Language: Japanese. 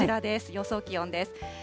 予想気温です。